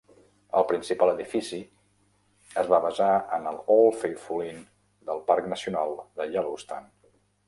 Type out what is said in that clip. El principal edifici es va basar en el Old Faithful Inn del Parc Nacional de Yellowstone.